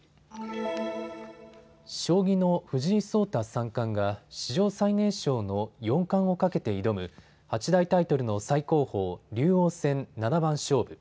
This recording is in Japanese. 将棋の藤井聡太三冠が史上最年少の四冠をかけて挑む八大タイトルの最高峰、竜王戦七番勝負。